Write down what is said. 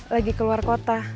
lagi keluar kota